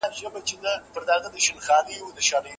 ما ښوونځي ته تللی دی.